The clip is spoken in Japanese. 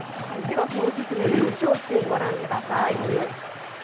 オススメの歌唱シーン御覧ください。